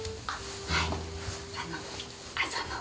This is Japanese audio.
はい。